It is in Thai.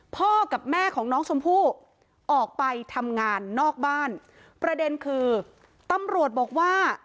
พ่อกับแม่ของน้องชมพู่ออกไปทำงานนอกบ้านประเด็นคือตำรวจบอกว่า